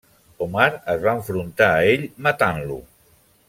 Omar es va enfrontar a ell, matant-lo.